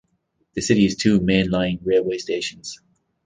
The city has two main line railway stations.